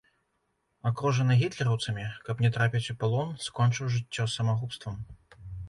Акружаны гітлераўцамі, каб не трапіць у палон, скончыў жыццё самагубствам.